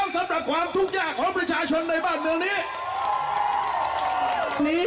สบายดี